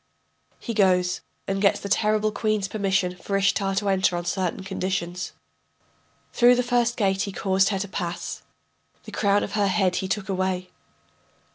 [He goes and gets the terrible queen's permission for Ishtar to enter on certain conditions.] Through the first gate he caused her to pass The crown of her head he took away.